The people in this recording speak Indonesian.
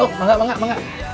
oh menga menga menga